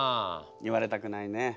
言われたくないね。